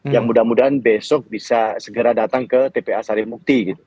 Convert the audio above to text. yang mudah mudahan besok bisa segera datang ke tpa sarimukti